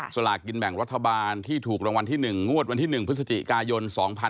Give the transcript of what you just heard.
สลากกินแบ่งรัฐบาลที่ถูกรางวัลที่๑งวดวันที่๑พฤศจิกายน๒๕๖๒